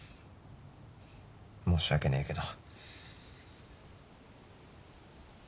申し訳ねえけど。